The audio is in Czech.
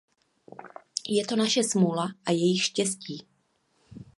Je to naše smůla a jejich štěstí.